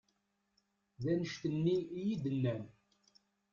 D annect-nni i yi-d-nnan.